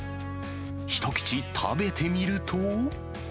一口食べてみると。